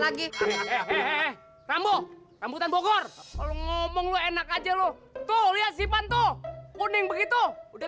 lagi hehehe rambu rambutan bogor ngomong lo enak aja lo tuh lihat sipan tuh kuning begitu udah